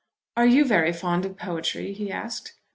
"Are you very fond of poetry?" he asked.